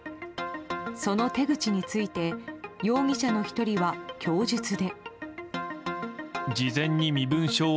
その手口について容疑者の１人は供述で。